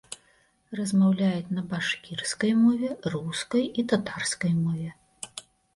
Размаўляюць на башкірскай мове, рускай і татарскай мове.